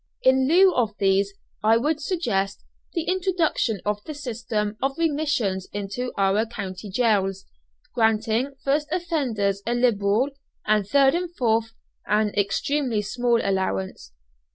In lieu of these I would suggest the introduction of the system of remissions into our county jails, granting first offenders a liberal, and third and fourth, an extremely small allowance.